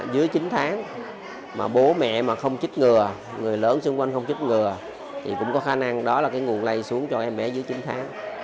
đó là nguồn lây xuống cho em bé dưới chín tháng